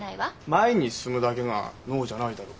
前に進むだけが能じゃないだろ？